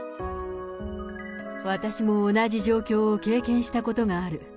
私も同じ状況を経験したことがある。